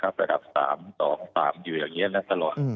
ระดับ๓๒๓อยู่อย่างนี้นะตลอด